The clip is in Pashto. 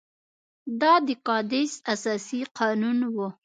دا د کادیس اساسي قانون وو.